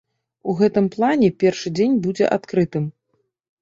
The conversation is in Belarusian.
У гэтым плане першы дзень будзе адкрытым.